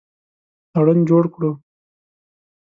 تړون جوړ کړو.